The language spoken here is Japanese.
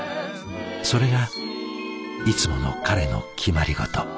それがいつもの彼の決まり事。